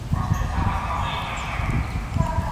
چي تر څو په